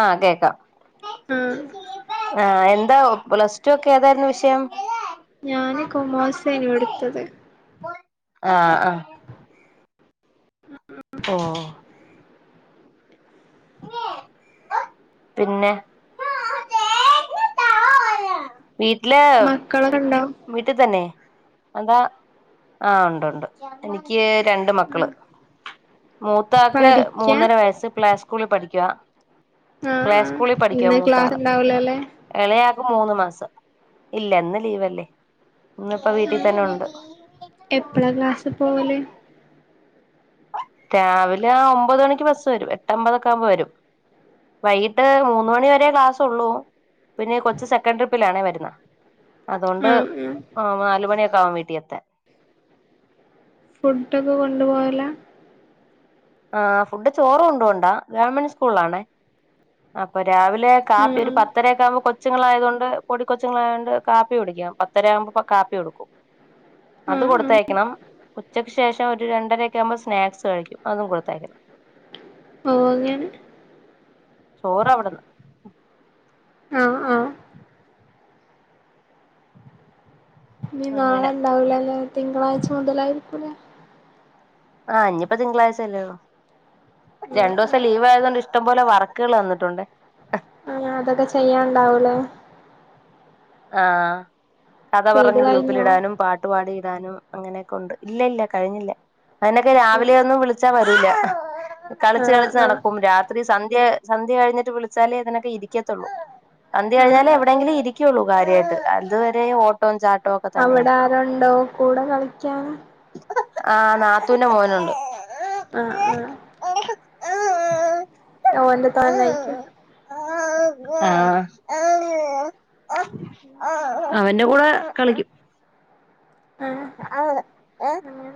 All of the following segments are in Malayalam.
ആ കേക്കാം. ആ ആ എന്താ പ്ലസ് ടു ഒക്കെ ഏതായിരുന്നു വിഷയം? ഞാന് കൊമേഴ്സേനു എടുത്തത് ആഅ ഓ. പിന്നെ- വീട്ടില മക്കളൊക്കെ ഉണ്ടോ വീട്ടിൽ തന്നെ എന്താ- ആ ഉണ്ട്ണ്ട് എനിക്ക് രണ്ട് ആഹ് മക്കള്. മൂത്താക്ക് പഠിക്കാ മൂന്നര വയസ്സ് പ്ലേ സ്കൂളിൽ പഠിക്കുക. ആഹ് പ്ലേ ആഹ് സ്കൂളിൽ പഠിക്കാൻ ഇന്ന് മൂത്ത ക്ലാസ് ആള് ഉണ്ടാവൂലല്ലേ ഇളയാ- മൂന്ന് മാസം ഇല്ല ഇന്ന് ലീവ്ല്ലേ ഇന്നിപ്പോ ഉം വീട്ടിൽ തന്നെ ഉം ഉണ്ട്. എപ്പളാ ക്ലാസ് പോവല് രാവിലെ ആ ഒമ്പത് മണിക്ക് ബസ്സ് വരും എട്ടമ്പതൊക്കെ ആകുമ്പോ വരും. വൈകിട്ട് മൂന്ന മണി വരെ ക്ലാസ് ഉള്ളൂ പിന്നെ കൊച്ചു സെക്കൻഡ് ട്രിപ്പിലാണേ വരുന്ന. അതുകൊണ്ട് ആഹ് ആഹ് നാല് മണിയൊക്കെ ആവും വീട്ടിൽ എത്താൻ ഫുഡൊക്കെ കൊണ്ടു പോകലാ? ആ ഫുഡ് ചോറ് കൊണ്ടൊണ്ടാ ഗവൺമെന്റ് സ്കൂളാണ അപ്പൊ രാവിലെ- ല്ലെ കാപ്പി ആഹ് ഒരു പത്തരൊക്ക ആകുമ്പോ- കൊച്ചുങ്ങളായത കൊണ്ട് പൊടിക്ക കൊച്ചുങ്ങളായത് കൊണ്ട് കാപ്പി കുടിക്കാം പത്തര ആവുമ്പോ കാപ്പി കൊടുക്കും. ആഹ് അത് ആഹ് ആഹ് കൊടുത്തയക്കണം ഉച്ചക്ക് ശേഷം ഒരു രണ്ടരൊക്കെ ആകുമ്പോൾ സ്നാക്സ് കഴിക്കും. അതും കൊടുത്തേക്കണം. ഓഹ് അങ്ങനെ ചോറവിടെന്ന്. ആഹ് ആഹ് ഇനി നാളെ അങ്ങനെ ഉണ്ടാവൂലല്ലേ തിങ്കളാഴ്ച മുതലായിരിക്കൂലേ ആ ഇനിപ്പ തിങ്കളാ്ഴ്ച അല്ലേ. ഉം രണ്ടു ഉം ദിവസം ലീവ് ആയതു കൊണ്ട് ഇഷ്ടംപോലെ വർക്കുകൾ തന്നിട്ടുണ്ടേ. അതൊക്കെ ചെയ്യാണ്ടാവൂലേ. ആ കഥ ചെയ്ത് പറഞ്ഞ് കഴിഞ്ഞോ ഗ്രൂപ്പിലിടാനും പാട്ട്പാടി- ഇടാനും അങ്ങനെയൊക്കെ ഉണ്ട് ഇല്ല ഇല്ല കഴിഞ്ഞില്ല അതിനൊക്കെ രാവിലെ ഒന്നും വിളിച്ചാ വരൂല്ല. കളിച്ച് ആഹ് കളിച്ച് ആഹ് നടക്കും രാത്രി സന്ധ്യ സന്ധ്യ കഴിഞ്ഞിട്ട് വിളിച്ചാലേ ഇതിനൊക്കെ ഇരിക്കത്തുള്ളൂ. അന്തി ആഹ് കഴിഞ്ഞാല് ആഹ് എവിടെയെങ്കിലും ഇരിക്കുള്ളൂ കാര്യയിട്ട് അത്വരെ ഓട്ടോം ചാ- അവിടെ ആരുണ്ടോ കൂടെ കളിക്കൻ ആ നാത്തൂന്റെ മോനുണ്ട്. ആ ആ ഓ. എന്റെ തോന്നയിക്കും ആ. അവന്റെ കൂടെ കളിക്കും. ആഹ് അങ്ങനെ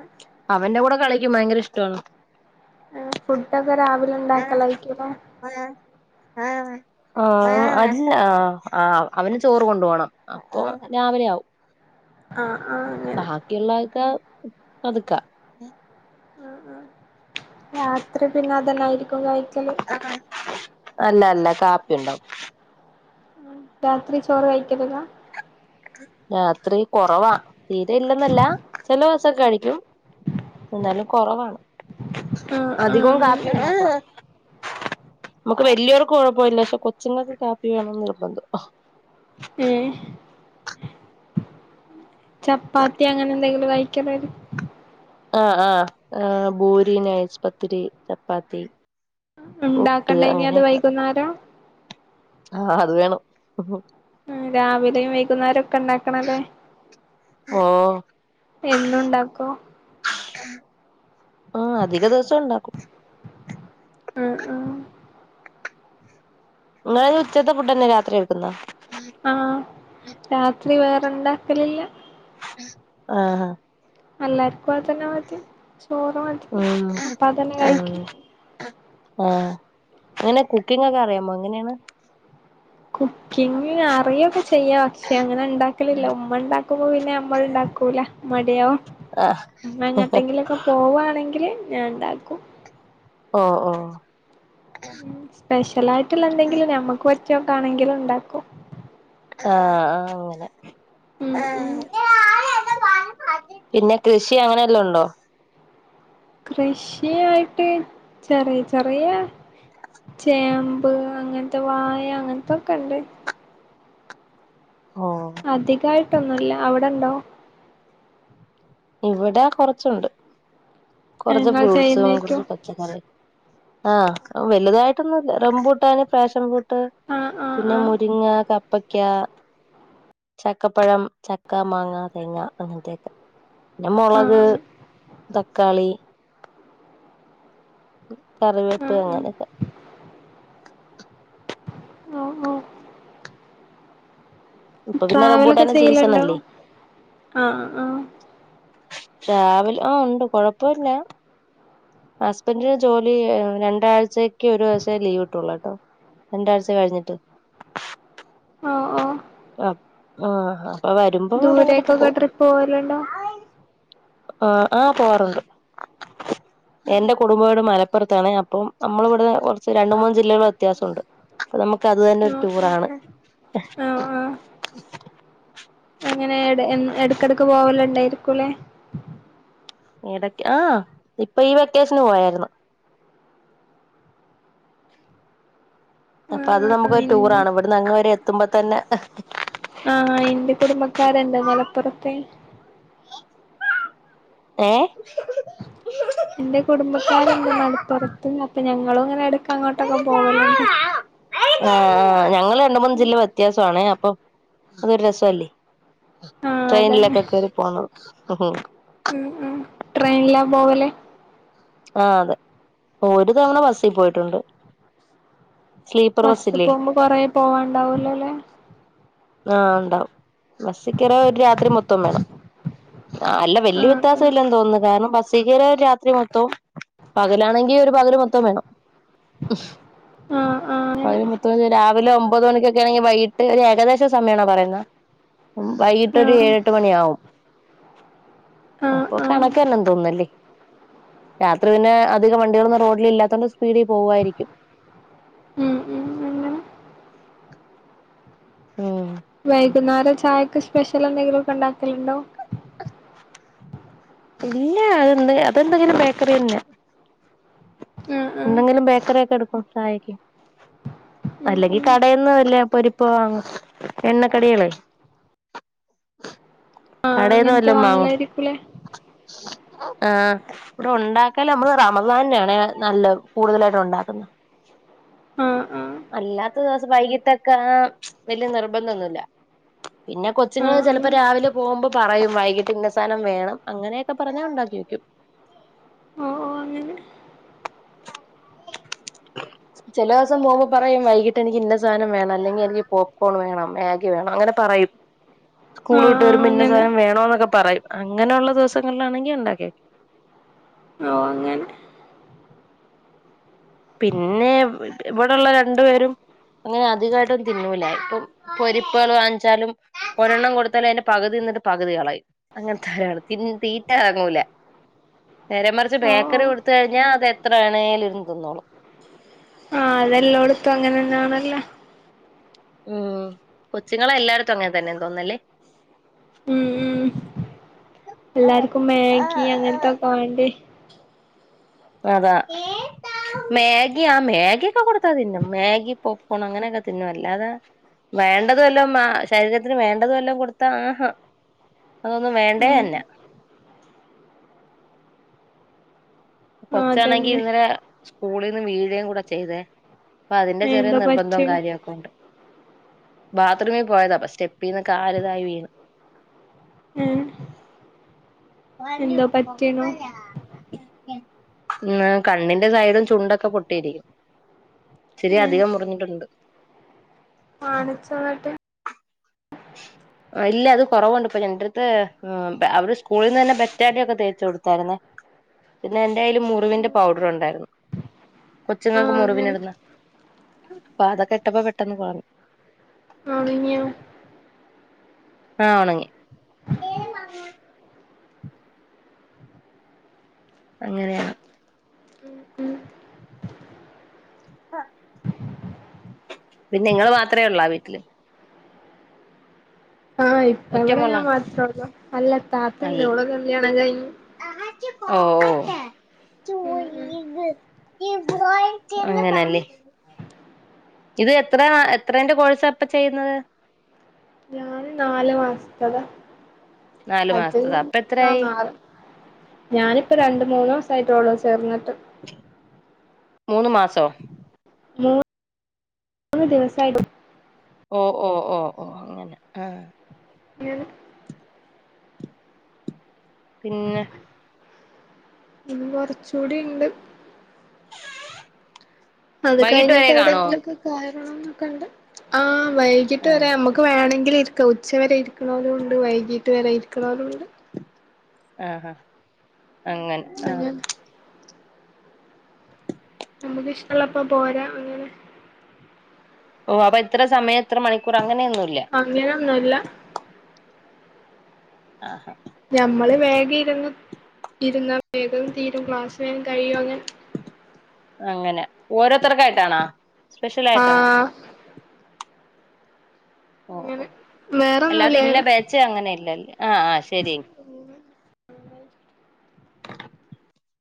അവന്റെ കൂടെ കളിക്കും ഭയങ്കര ഇഷ്ടമാണ്. ഫുഡ്ക്കെ രാവിലെ ഉണ്ടാക്കലായിക്കുലെ ആഹ് അവന് ചോറ് കൊണ്ടു പോണം അപ്പൊ. രാവിലെ ആവും ആഹ് ആഹ് അങ്ങനെ. ഹ് പതുക്കെ. അത്ര പിന്നെ അതന്നായിരിക്കും കഴിക്കല്. അല്ല അല്ല കാപ്പിയുണ്ടാവും രാത്രി ചോറ് കഴിക്കലില്ല രാത്രി കൊറവാ തീരെ ഇല്ലെന്നല്ല ചെലെ ദിവസം കഴിക്കും. എന്നാലും കൊറവാണ് ആഹ് ആഹ് അധികോം അങ്ങനെ കാപ്പി നമ്മക്ക് വല്യോർക്ക് കുഴപ്പോ ഇല്ല പക്ഷെ കൊച്ച്ങ്ങക്ക് കാപ്പി വേണം എന്ന് നിർബന്ധാ. ഉം. ചപ്പാത്തി അങ്ങനെ എന്തെങ്കിലും [unintelligible] ആഹഹ് ആഹ് ആ ഭൂരി രി നൈസ് പത്തിരി ചപ്പാത്തി പുട്ട് ഇണ്ടാക്കണ്ടെ ഇനി അത് അങ്ങനെയൊക്കെ വൈകുന്നേരം ആഹ് അത് വേണം. രാവിലെയും വൈകുന്നേരം ഒക്കെ ഉണ്ടാക്കണല്ലേ? ഓ എന്നും ഉണ്ടാക്കോ? ആ അധിക ദിവസോം ഇണ്ടാക്കും ആഹ് ആഹ്. ഇങ്ങളയ് അങ്ങനെ ഉച്ചത്തെ ഫുഡന്നെ രാത്രി കഴിക്കുന്നെ? ആഹ് രാത്രി വേറെ ഉണ്ടാക്കലില്ല. ആഹ് ഹാ. എല്ലാർക്കും അതന്നെ മതി ചോറ് മതി ഉം അപ്പ അതന്നെ ഉം കഴിക്കും. ആഹ് അങ്ങനെ കുക്കിങ്ങൊക്കെ അറിയാമോ എങ്ങനെയാണ് കുക്കിംഗ് അറി [unintelligible] ചെയ്യാ പക്ഷെ അങ്ങനെ ഇണ്ടാക്കലില്ല ഉമ്മ ഇണ്ടാക്കുമ്പോ പിന്നെ അമ്മള്ണ്ടാക്കൂല മടിയാവും ആഹ് ഉമ്മ എങ്ങട്ടെങ്കിലൊക്കെ പോവാണെങ്കില് ഞാൻണ്ടാക്കും ഓ ഓ. സ്പെഷ്യലായിട്ടുള്ള എന്തെങ്കിലും ഞമ്മക്ക് പറ്റിയോക്കെ ആണെങ്കിലും ണ്ടാക്കും ആഹ് ഉം ആ ഉം അങ്ങനെ. പിന്നെ കൃഷി അങ്ങനെല്ലോ ഉണ്ടോ? കൃഷിയായിട്ട് ചെറിയ ചെറിയ. ചേമ്പ് അങ്ങനത്തെ വായ അങ്ങനത്തൊക്കെ ഉണ്ട്. ഓ അധികായിട്ടൊന്നുല്ല, അവിടെ ഉണ്ടോ? ഇവിടെ കൊറച്ചുണ്ട് കുറച്ച് നിങ്ങൾ ഫ്രൂട്ട്സ്, ചെയ്യുന്നേക്കും കുറച്ച് പച്ചക്കറിം. ആഹ് വലുതായിട്ടൊന്നും ഇല്ല റംമ്പുട്ടാന്, ഫാഷൻ ഫ്രൂട്ട്. ആഹ് ആഹ് പിന്നെ ആഹ് മുരിങ്ങ കപ്പ കപ്പക്ക ചക്കപ്പഴം ചക്ക മാങ്ങ തേങ്ങ അങ്ങനത്തെയൊക്കെ പിന്നെ മുളക്, ആഹ് തക്കാളി. കറിവേപ്പ് ആഹ് ആഹ് അങ്ങനെയൊക്കെ. ആഹ് ആഹ്. ഇപ്പൊ പിന്നെ ട്രാവലൊക്കെ റംബൂട്ടാന്റെ ചെയ്യല് സീസൺ ഉണ്ടോ അല്ലേ ആഹ് ആ. ട്രാവല് ആഹ് ഉണ്ട് കൊഴപ്പല്ല ഹസ്ബന്റിന് ജോലി രണ്ടാഴ്ച്ചക്ക് ഒരു ദിവസേ ലീവ് കിട്ടുള്ളൂ കേട്ടോ. രണ്ടാഴ്ച്ച കഴിഞ്ഞിട്ട്. ഹാ ഓ അ ആഹ് അപ്പൊ വരുമ്പോ എങ്ങട്ടെങ്കിലൊക്കെ ദൂരേക്കൊക്കെ പോകും ട്രിപ്പ് പോവലുണ്ടോ ആ ആഹ് പോവാറുണ്ട് [inaudible] എന്റെ കുടുംബ വീട് മലപ്പുറത്താണ്. അപ്പം നമ്മളിവിടെ കുറച്ച് രണ്ട് മൂന്ന് ജില്ലടെ വ്യത്യാസണ്ട് അപ്പൊ നമുക്ക് അത് തന്നെ ഒരു ടൂറാണ് അ അങ്ങനെട്ക്കെട്ക്ക് പോകാ ണ്ടായിരിക്കൂലേ എടക്കെ ആഹ ഇപ്പൊ ഈ വെക്കേഷന് പോയായിരുന്നു അപ്പൊ അത് ആഹ് നമുക്കൊരു ഇൻ ടൂർ ആണ് ഇവിടുന്ന് അങ്ങ് വരെ എത്തുമ്പോ തന്നെ ആഹ എന്റെ കുടുംബക്കാരണ്ട് മലപ്പുറത്തെ ഏ എന്റെ കുടുംബക്കാരുണ്ട് മലപ്പുറത്തും അപ്പൊ ഞങ്ങളും ങ്ങനെ ആ ഞങ്ങള് രണ്ട് മൂന്ന് ജില്ല വ്യത്യാസാണേ അപ്പൊ അതൊരു രസല്ലേ ആഹ് അതന്നെ ട്രെയിനിലൊക്കെ കേറി പോണ ഉം ഉം ട്രെയിനിലാ പോവലേ ആഹ അതെ ഒരു തവണ ബസിൽ പോയിട്ടുണ്ട് സ്ലീപ്പർ ബസ് ബസ്സില്ലേ പോകുമ്പോ കൊറേ പോവാണ്ടാവൂലോല്ലേ ആഹ ഉണ്ടാവും ബസ്സിക്കേറിയ ഒരു രാത്രി മൊത്തം വേണം ആ അല്ല വല്യ ആഹ് വ്യത്യാസം ആഹ് ഇല്ലാന്ന് തോന്നുന്നു കാരണം ബസ് കേറിയ രാത്രി മൊത്തവും പകലാണെങ്കിൽ ഒരു പകല് മൊത്തോം വേണം ആഹ് ആഹ് അ അങ്ങനെ മൊത്തം രാവിലെ ഒമ്പത് മണിക്കൊക്കെ ആണെങ്കി വൈകിട്ട് ഒരു ഏകദേശം സമയണോ പറയുന്ന വൈകിട്ട് ഒരു ആഹ് ഏഴെട്ട് മണിയാവും ആഹ് അപ്പൊ ആഹ് കണക്കല്ലാം തോന്നല്ലേ രാത്രി പിന്നെ അധികം വണ്ടികളൊന്നും റോഡിൽ ഇല്ലാത്തോണ്ട് സ്പീഡിൽ പോവായിരിക്കും ഉം ഉ അങ്ങന ഉം വൈകുന്നേരം ചായക്ക് സ്പെഷ്യൽ ലെന്തെങ്കിലൊക്കെണ്ടാക്കലുണ്ടോ ഇല്ല അതെന്ത് അതെന്തെങ്ങനെ ബേക്കറി തന്നെ ആഹ് ആഹ് എന്തെങ്കിലും ബേക്കറി ഒക്കെ എടുക്കും ചായക്ക് ഉം അല്ലെങ്കി ഉം കടേന്നും അല്ലേ പൊരിപ്പ വാങ്ങും എണ്ണക്കടികളെ ഹാ കടേന്ന് വല്ലം വാങ്ങും ആ ഇവിടെ ഉണ്ടാക്കൽ നമ്മള് റമദാന്നാണേ നല്ല കൂടുതലായിട്ടും ഉണ്ടാക്കുന്നത് ആഹ ആ അല്ലാത്ത ദിവസം വൈകിട്ടക്കെ വല്യ നിർബന്തോന്നുല്യ പിന്നെ കൊച്ചുങ്ങൾ ആഹ് ആഹ് ചിലപ്പോ രാവിലെ പോകുമ്പോ പറയും വൈകിട്ട് ഇന്ന സാനം വേണം അങ്ങനെയൊക്കെ പറഞ്ഞാ ഉണ്ടാക്ക ക്കി വെയ്ക്കും ഓ അങ്ങനെ ചില ദിവസം പോകുമ്പോ പറയും വൈകിട്ട് എനിക്ക് ഇന്ന സാനം വേണം അല്ലെങ്കിൽ എനിക്ക് പോപ്പ്കോൺ വേണം മാഗി വേണം അങ്ങനെ പറയും സ്കൂൾ ആഹ് വിട്ട് ആഹ് വരും ഇന്നെ അങ്ങനെ സാനം വേണോന്നൊക്കെ പറയും അങ്ങനെയുള്ള ദിവസങ്ങളിലാണെങ്കി ഉണ്ടാക്കിവെയ്ക്കും ഓ അങ്ങനെ പിന്നെ ഇവിടൊള്ള രണ്ടു പേരും അങ്ങനെ അധികായിട്ടൊന്നും തിന്നൂല ഇപ്പൊ പൊരിപ്പുകൾ വാങ്ങിച്ചാലും ഒരെണ്ണം കൊടുത്താലും അതിൻ്റെ പകുതി തിന്നിട്ട് പകുതി കളയും അങ്ങനത്തേണ്. തീറ്റ ഇറങ്ങൂല നേരെ മറിച്ച് ഓഹ് ബേക്കറി ഓഹ് കൊടുത്ത് കഴിഞ്ഞാ അത് എത്രവേണേലും ഇരുന്ന് തിന്നോളും ആഹ അതെല്ലോടത്തും അങ്ങനെന്നാണല്ലോ ഉം കൊച്ചുങ്ങളെ എല്ലാടത്തും അങ്ങനെ തന്നെ തോന്നല്ലേ ഉം ഉം എല്ലാർക്കും മാഗി അങ്ങനത്തൊക്കെ വേണ്ടേ അതാ മാഗി ആ മാഗിയ ഒക്കെ കൊടുത്താ തിന്നും മാഗി പോപ്കോൺ അങ്ങനെയൊക്കെ തിന്നും അല്ലാതെ വേണ്ടത് വല്ലോം ആ ശരീരത്തിന് വേണ്ടതെല്ലാം കൊടുത്ത ആഹ അതൊന്നും വേണ്ടേ ഉം അന്നാ ആഹ് കൊച്ചാണെങ്കി അതന്നെ ഇന്നലെ സ്കൂളിന്ന് വീഴയും കൂടെ ചെയ്തേ തിന്റെ ചെറിയ എന്താ പറ്റി നിർബന്ധം കാര്യം ഒക്കെ ഉണ്ട് ബാത്‌റൂമി പോയതാ സ്റ്റെപ്പിന്ന് കാല്തായി വീണ് ഉം പറഞ്ഞു കൊക്കലാ ഉ കണ്ണിന്റെ സൈഡും ചുണ്ടൊക്കെ പൊട്ടിയിരി ഏഹ് അധികം മുറിഞ്ഞിട്ടുണ്ട് കാണിച്ച ന്നിട്ട് [inaudible] ഇല്ല അത് കുറവുണ്ട് ഇപ്പൊ [unintelligible] എന്റെ യ്യിൽ മുറിവിന്റെ പൗഡർ ഉണ്ടായിരുന്നു കൊച്ചുങ്ങൾക്ക് ആഹ് മുറിവിന അങ്ങനെ ഇടുന്ന പ്പൊ അതൊക്കെ ഇട്ടപ്പോ പെട്ടെന്ന് [unintelligible] ഒണിങിയോ ആഹ ഉണങ്ങി അങ്ങനെയാണ് പിന്ന നിങ്ങള് മാത്രേ ഉള്ളൂ ആ വീട്ടില് ആഹ് ഇപ്പ ഒറ്റ ഇവിടെ ഞാൻ മോളാ മാത്രേ ഉള്ളൂ അല്ല താത്തണ്ട് അല്ല ഓളെ കല്യാണം കഴിഞ്ഞു ഓ ഓ ഉം ഉം [unintelligible] ഇത് എത്രന്ന എത്രേന്റെ കോഴ്സ പ്പ ചെയ്യുന്നത് ഞാന് നാല് മാസത്ത താ നാലു ചെൽപ്പങ്ങി മാസത്തതാ അപ്പൊ ഞാൻ എത്രയായി മാറും ഞനിപ്പ രണ്ട് മൂന്ന് സായി ട്ടൊള്ളൂ ചേർന്ന്ട്ട് മൂന്ന് മാസോ മൂ മൂന്ന് ദിവസമായിട്ടും ഓ ഓ ഓ ഓ അങ്ങനെ ആഹ ഞാനും ന്നെ കൂടിണ്ട് [inaudible] അത് വൈകിട്ട് കഴിഞ്ഞിട്ട് വരെ കാണുവോ എവിടെങ്കിലുക്കെ കയറണം എന്നൊക്കണ്ട് ആ വൈകിട്ട് ആ വരെ മ്മക്ക് വേണെ ക്ക ഇരിക്ക ഉച്ച വരെ ഇരിക്കനൊലും ഉണ്ട് വൈകീട്ട് വരെ ഇരിക്കണോലുംണ്ട് ആഹഹാ അങ്ങെ നെ ആഹ അങ്ങനെ നമുക്ക്ിഷ്ടമള്ളപ്പ പോരാ അങ്ങനെ ഓ അപ്പൊ എത്ര സമയം എത്ര മണിക്കൂർആ അങ്ങനൊന്നുംല്ല [unintelligible] ഞമ്മള് വേഗം ഇരുന്ന് ഇരുന്നാ വേഗം തീരും ക്ലാസ് വേം കഴിയും അങ്ങനെ അങ്ങനെ ഓരോരുത്തർക്കായിട്ടാണോ സ്പെഷ്യൽ ആായിട്ടാണോ ആഹ് ഓ ഓ അങ്ങനെ അല്ലാതെ ഇന്ന വേറൊന്നുല്ല ബേച്ച അങ്ങനെ ഇല്ലല്ല ആഹ ആഹ് ശരി [unintelligible]